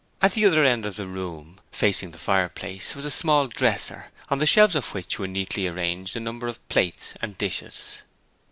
At the other end of the room, facing the fireplace, was a small dresser on the shelves of which were neatly arranged a number of plates and dishes.